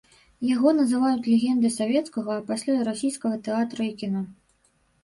Яго называюць легендай савецкага, а пасля і расійскага тэатра і кіно.